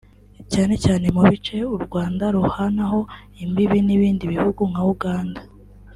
cyane cyane mu bice u Rwanda ruhanaho imbibi n’ibindi bihugu nka Uganda